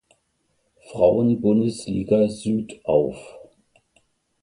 Frauenbundesliga Süd auf.